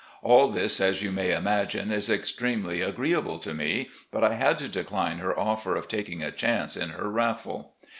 All this, as you may imagine, is extremely agreeable to me, but I had to decline her offer of taking a chance in her raffle.